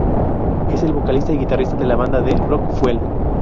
Es el vocalista y guitarrista de la banda de Rock Fuel.